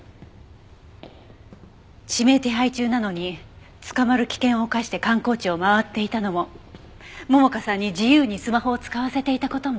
指名手配中なのに捕まる危険を冒して観光地を回っていたのも桃香さんに自由にスマホを使わせていた事も。